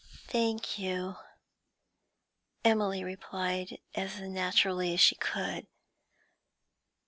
'Thank you,' Emily replied, as naturally as she could.